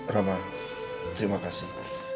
rama terima kasih